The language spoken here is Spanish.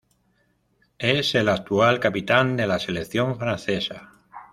Es el actual capitán de la selección francesa.